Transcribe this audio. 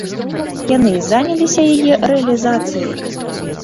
Яны і заняліся яе рэалізацыяй.